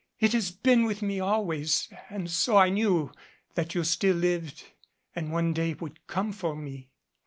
It has been with me always, and so I knew that you still lived and one day would come for me."